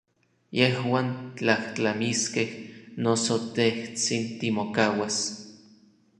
Yejuan tlajtlamiskej, noso tejtsin timokauas.